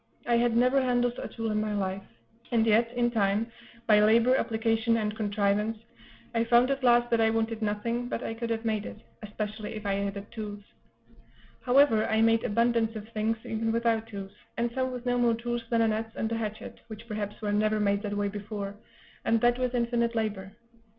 I had never handled a tool in my life; and yet, in time, by labor, application, and contrivance, I found at last that I wanted nothing but I could have made it, especially if I had had tools. However, I made abundance of things, even without tools; and some with no more tools than an adze and a hatchet, which perhaps were never made that way before, and that with infinite labor.